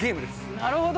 なるほど。